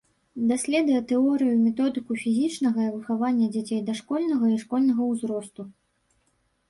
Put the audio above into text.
Даследуе тэорыю і методыку фізічнага выхавання дзяцей дашкольнага і школьнага ўзросту.